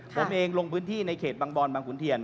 ผมเองลงพื้นที่ในเขตบางบอนบางขุนเทียน